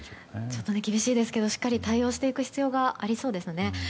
ちょっと厳しいですけどしっかり対応していく必要がありそうですよね。